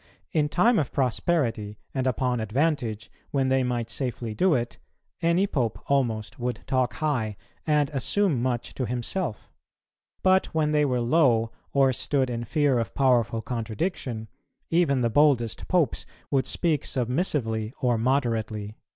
In time of prosperity, and upon advantage, when they might safely do it, any Pope almost would talk high and assume much to himself; but when they were low, or stood in fear of powerful contradiction, even the boldest Popes would speak submissively or moderately."